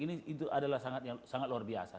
ini adalah sangat luar biasa